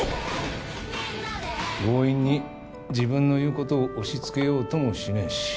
強引に自分の言う事を押し付けようともしねえし。